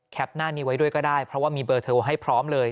หน้านี้ไว้ด้วยก็ได้เพราะว่ามีเบอร์โทรให้พร้อมเลย